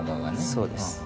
そうです。